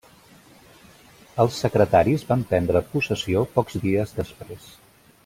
Els secretaris van prendre possessió pocs dies després.